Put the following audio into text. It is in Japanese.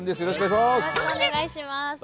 よろしくお願いします。